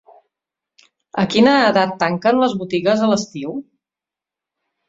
A quina edat tanquen les botigues a l'estiu?